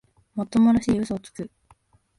もっともらしい嘘をつく